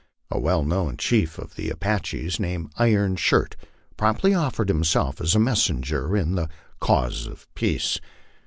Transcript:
A well known chief of the Apaches, named Iron Shirt, promptly offered himself as a messenger in the cause of peace.